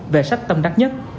về sách tâm đắc nhất